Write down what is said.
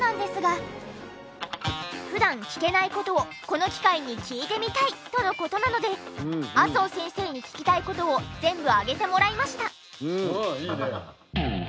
普段聞けない事をこの機会に聞いてみたいとの事なので麻生先生に聞きたい事を全部挙げてもらいました。